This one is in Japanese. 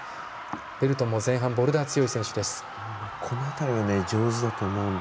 ベルトンは前半のボルダー強い選手です。